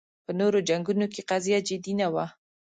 په نورو جنګونو کې قضیه جدي نه وه